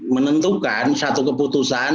menentukan satu keputusan